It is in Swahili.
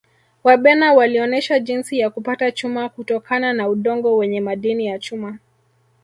Wabena walionesha jinsi ya kupata chuma kutokana na udongo wenye madini ya chuma